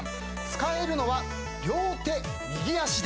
使えるのは。